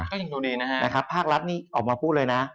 ก็ยังดูดีนะครับภาครัฐนี่ออกมาพูดเลยนะ